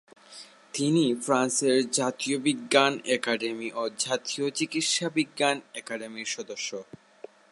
তিনি ফ্রান্সের জাতীয় বিজ্ঞান অ্যাকাডেমি ও জাতীয় চিকিৎসাবিজ্ঞান অ্যাকাডেমির সদস্য।